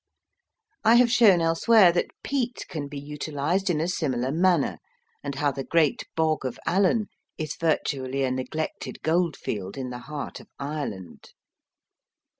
I have shown elsewhere that peat can be utilised in a similar manner, and how the great Bog of Allen is virtually a neglected gold field in the heart of Ireland.